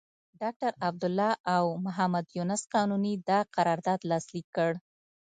ډاکټر عبدالله او محمد یونس قانوني دا قرارداد لاسليک کړ.